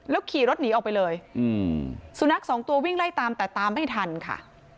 ขี่รถหนีออกไปเลยสุนัขสองตัววิ่งไล่ตามแต่ตามไม่ทันค่ะ